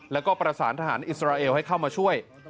แล้วก็ประสานทหารอิสราเอลให้เข้ามาช่วย